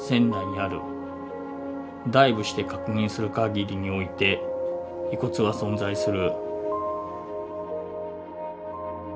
ダイブして確認する限りにおいて遺骨は存在する」。